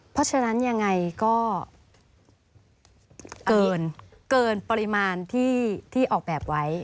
เพราะฉะนั้นยังไงก็เกินปริมาณที่ออกแบบไว้